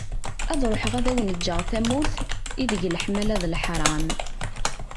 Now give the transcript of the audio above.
Ad ruḥeγ ad awen-ğğeγ tamurt, ideg leḥmala d leḥram.